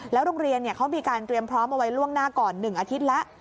โรงเรียนเขามีการเตรียมพร้อมเอาไว้ล่วงหน้าก่อน๑อาทิตย์แล้ว